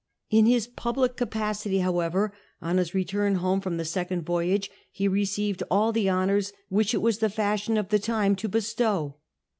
In his public capacity, however, on his I'cturn from the second voyage ho received all the honours wliich it was the fasliion of the time to bestow.